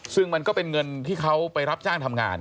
ซึ่งมันก็เป็นเงินที่เขาไปรับจ้างทำงาน